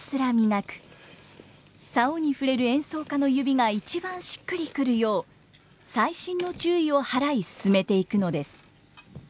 棹に触れる演奏家の指が一番しっくりくるよう細心の注意を払い進めていくのです。